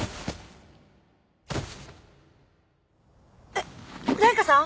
えっライカさん！？